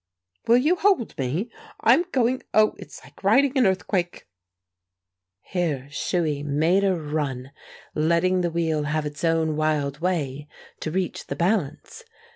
_" "Will you hold me? I am going Oh, it's like riding an earthquake!" Here Shuey made a run, letting the wheel have its own wild way to reach the balance.